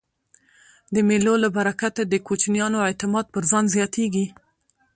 د مېلو له برکته د کوچنیانو اعتماد پر ځان زیاتېږي.